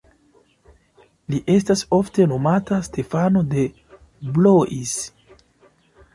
Li estas ofte nomata Stefano de Blois.